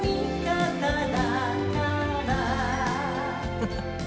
フフフフ。